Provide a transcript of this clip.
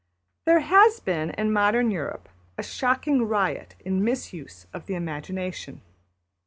There has been in modern Europe a shocking riot in mis use of the imagination.